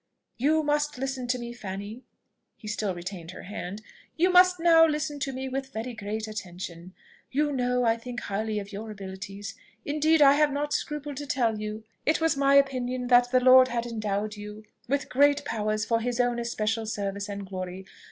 "You must listen to me Fanny," (he still retained her hand,) "you must now listen to me with very great attention. You know I think highly of your abilities indeed I have not scrupled to tell you it was my opinion that the Lord had endowed you with great powers for his own especial service and glory.